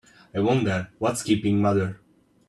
I wonder what's keeping mother?